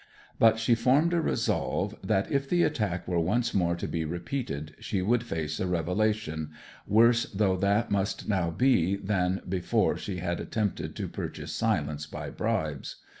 But she formed a resolve that, if the attack were once more to be repeated she would face a revelation worse though that must now be than before she had attempted to purchase silence by bribes.